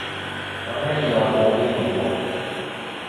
有咩意外保險唔賠